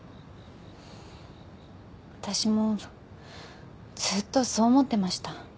私もずっとそう思ってました。